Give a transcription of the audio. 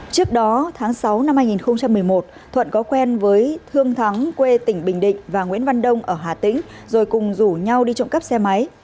trước đó tháng sáu năm hai nghìn một mươi một thuận có quen với thương thắng quê tỉnh bình định và nguyễn văn đông ở hà tĩnh rồi cùng rủ nhau đi trộm cắp xe máy